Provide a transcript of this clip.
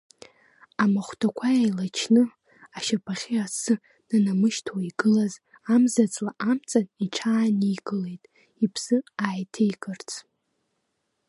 Амахәҭақәа еилачны, ашьапахьы асы нанамышьҭуа игылаз амзаҵла амҵан иҽааникылеит, иԥсы ааиҭеикырц.